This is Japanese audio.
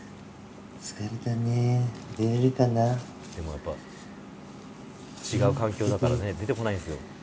「出れるかな？」でもやっぱ違う環境だからね出てこないんですよ。